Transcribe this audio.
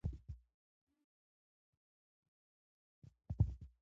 ژوند د انسان د باور پر بنسټ ولاړ دی.